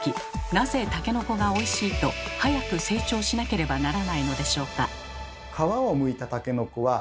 なぜタケノコがおいしいと早く成長しなければならないのでしょうか？